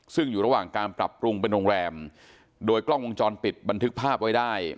ซึ่งอยู่ระหว่างการปรับปรุงเป็นโรงแรมโดยกล้องวงจรปิดบันทึกภาพไว้ได้